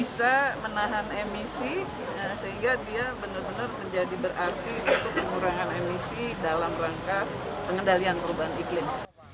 sehingga dia benar benar menjadi berarti untuk mengurangi emisi dalam rangka pengendalian perubahan iklim